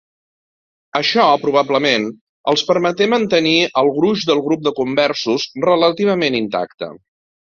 Això, probablement, els permeté mantenir el gruix del grup de conversos relativament intacte.